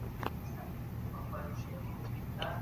موږ بايد د ښځي عزت هم په ټولني کي وساتو.